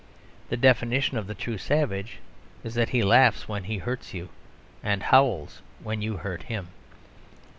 The definition of the true savage is that he laughs when he hurts you; and howls when you hurt him.